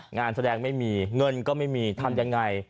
งานแสดงไม่มีเงินก็ไม่มีทำยังไง